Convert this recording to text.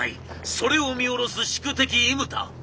それを見下ろす宿敵伊牟田。